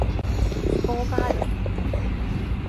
希望がある